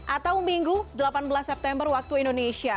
atau minggu delapan belas september waktu indonesia